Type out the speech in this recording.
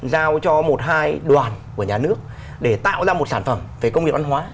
giao cho một hai đoàn của nhà nước để tạo ra một sản phẩm về công nghiệp văn hóa